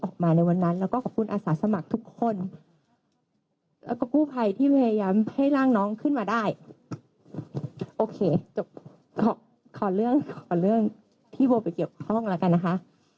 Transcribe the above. ก็กูภัยที่พยายามให้ร่างน้องขึ้นมาได้โอเคจบขอเรื่องขอเรื่องที่โบไปเกี่ยวห้องแล้วกันนะคะ